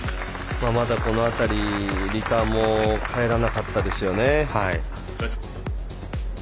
まだこの辺り、リターンも返らなかったですよね。